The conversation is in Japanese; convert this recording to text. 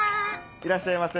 いらっしゃいませ。